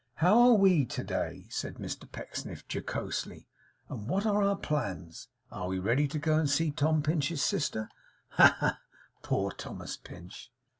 'How are we to day,' said Mr Pecksniff, jocosely, 'and what are our plans? Are we ready to go and see Tom Pinch's sister? Ha, ha, ha! Poor Thomas Pinch!